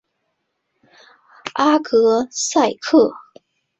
阿格萨克。